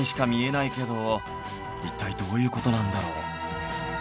一体どういう事なんだろう？